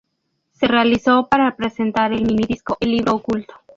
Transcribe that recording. Se realizó para presentar el mini disco El libro oculto.